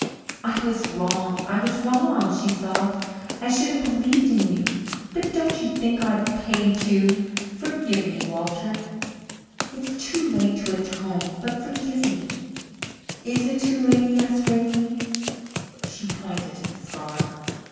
"I was wrong I was wrong," she sobbed. "I should have believed in you. But don't you think I've paid, too? Forgive me, Walter it's too late to atone but forgive me." "Is it too late?" he asked gravely. She pointed to the scar.